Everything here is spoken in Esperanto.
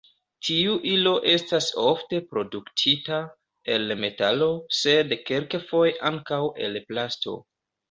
Tiu ilo estas ofte produktita el metalo, sed kelkfoje ankaŭ el plasto.